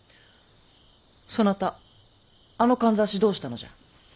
そなたあのかんざしどうしたのじゃ。